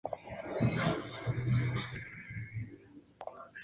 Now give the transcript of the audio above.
M. Wenceslao Delgado, secretario del Congreso.